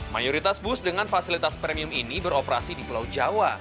mayoritas bus dengan fasilitas premium ini beroperasi di pulau jawa